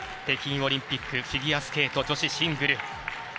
北京オリンピックフィギュアスケート女子シングル。